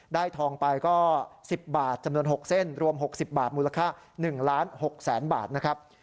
ทองไปก็๑๐บาทจำนวน๖เส้นรวม๖๐บาทมูลค่า๑ล้าน๖แสนบาทนะครับ